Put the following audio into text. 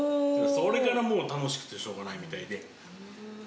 それからもう楽しくてしようがないみたいで。